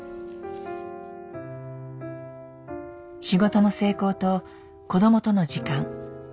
仕事の成功と子どもとの時間。